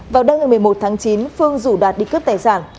vào đêm ngày một mươi một tháng chín phương rủ đạt đi cướp tài sản